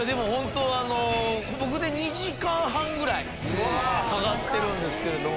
僕で２時間半ぐらいかかってるんですけれども。